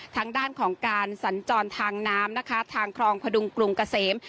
ทางด้านของการสัญจรทางน้ำนะคะทางครองพดุงกรุงเกษม